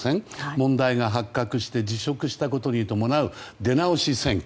問題が発覚して辞職したことに伴う出直し選挙。